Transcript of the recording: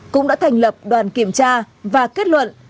cũng đã thành lập đoàn kiểm tra và kết luận